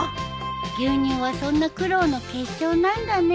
牛乳はそんな苦労の結晶なんだね。